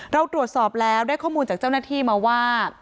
เราตรวจสอบแล้วได้ข้อมูลจากเจ้าหน้าที่มาว่า